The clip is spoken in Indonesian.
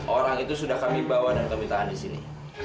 orang itu sudah kami bawa dan kami tahan di sini